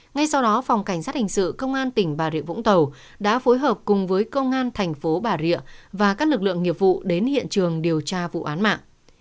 ngay sau đó phòng cảnh sát hình sự công an tỉnh bà rịa vũng tàu đã phối hợp cùng với công an thành phố bà rịa và các lực lượng nghiệp vụ đến hiện trường điều tra vụ án mạng